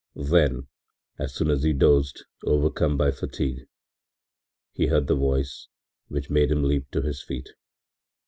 Then, as soon as he dozed, overcome by fatigue, he heard the voice which made him leap to his feet.